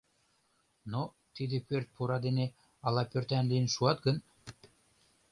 — Но тиде пӧрт пура дене ала пӧртан лийын шуат гын?!